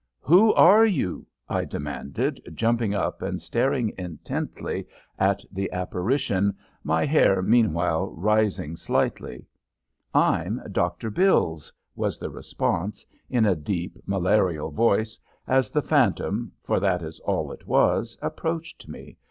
"Who are you?" I demanded, jumping up and staring intently at the apparition, my hair meanwhile rising slightly. "I'm Dr. Bills," was the response, in a deep, malarial voice, as the phantom, for that is all it was, approached me.